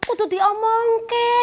itu diomong kek